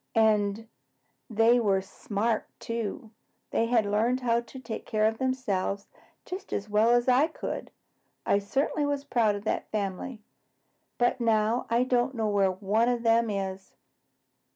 "And they were smart, too. They had learned how to take care of themselves just as well as I could. I certainly was proud of that family. But now I don't know where one of them is."